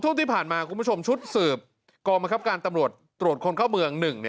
ช่วงที่ผ่านมาคุณผู้ชมชุดสืบกองบังคับการตำรวจตรวจคนเข้าเมือง๑